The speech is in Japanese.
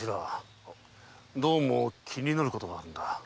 どうも気になることがあるんだ。